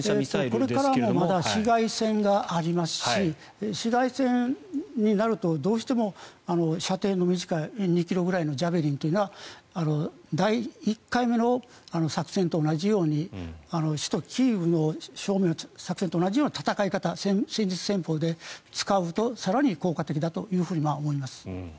これからもまだ市街戦がありますし市街戦になるとどうしても射程の短い２ｋｍくらいのジャベリンというのは第１回目の作戦と同じように首都キーウ正面の作戦と同じような戦い方戦術、戦法で使うと更に効果的だと思います。